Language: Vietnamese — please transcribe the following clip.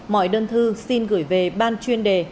mọi đơn thư xin gửi về ban chuyên đề